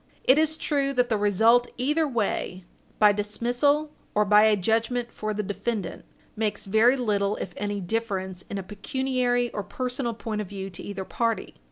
It is true that the result either way, by dismissal or by a judgment for the defendant, makes very little, if any, difference in a pecuniary or personal point of view to either party.